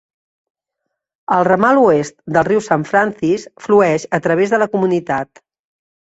El ramal oest del riu St. Francis flueix a través de la comunitat.